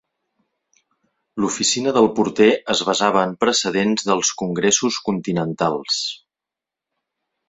L'Oficina del Porter es basava en precedents dels Congressos Continentals.